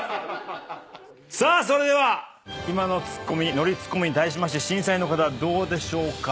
さあそれでは今のノリツッコミに対しまして審査員の方はどうでしょうか？